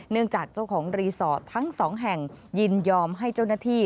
จากเจ้าของรีสอร์ททั้งสองแห่งยินยอมให้เจ้าหน้าที่